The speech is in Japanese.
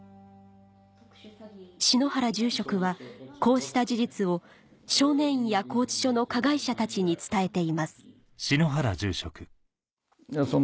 篠原住職はこうした事実を少年院や拘置所の加害者たちに伝えていますこれね。